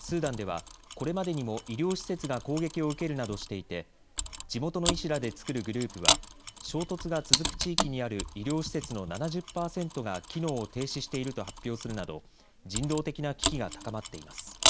スーダンではこれまでにも医療施設が攻撃を受けるなどしていて地元の医師らで作るグループは衝突が続く地域にある医療施設の７０％が機能を停止していると発表するなど人道的な危機が高まっています。